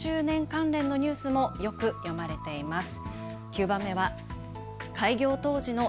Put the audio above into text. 関連のニュースもよく読まれています。